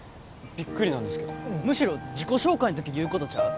ビックリなんですけどむしろ自己紹介ん時に言うことちゃう？